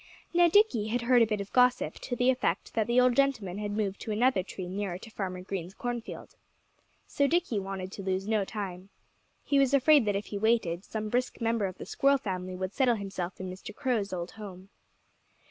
Now, Dickie had heard a bit of gossip, to the effect that the old gentleman had moved to another tree nearer to Farmer Green's cornfield. So Dickie wanted to lose no time. He was afraid that if he waited, some brisk member of the Squirrel family would settle himself in Mr. Crow's old home.